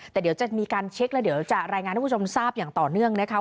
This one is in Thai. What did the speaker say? แต่เดี๋ยวจะมีการเช็คแล้วเดี๋ยวจะรายงานให้คุณผู้ชมทราบอย่างต่อเนื่องนะคะ